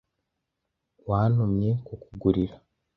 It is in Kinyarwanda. Wantumye kukugurira.